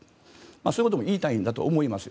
そういうことも言いたいんだと思いますよ。